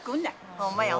ほんまやわ。